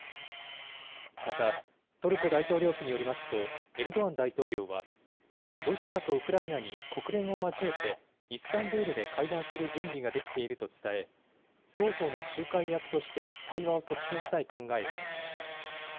また、トルコ大統領府によりますと、エルドアン大統領は、ロシアとウクライナに国連を交えて、イスタンブールで会談する準備ができていると伝え、双方の仲介役として対話を促進したい考えを示しました。